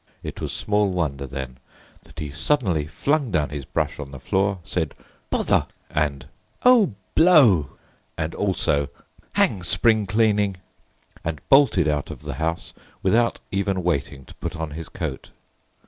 It was small wonder, then, that he suddenly flung down his brush on the floor, said "Bother!" and "O blow!" and also "Hang spring cleaning!" and bolted out of the house without even waiting to put on his coat.